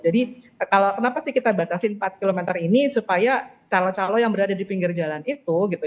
jadi kalau kenapa sih kita batasin empat kilometer ini supaya calo calo yang berada di pinggir jalan itu gitu